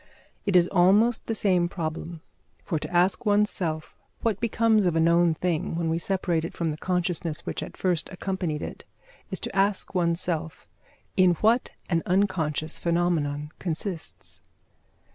It is almost the same problem, for to ask one's self what becomes of a known thing when we separate from it the consciousness which at first accompanied it, is to ask one's self in what an unconscious phenomenon consists.